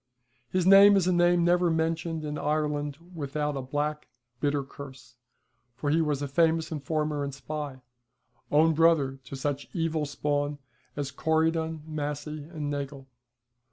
His name is a name never mentioned in Ireland without a black, bitter curse, for he was a famous informer and spy, own brother to such evil spawn as Corydon, Massey, and Nagle.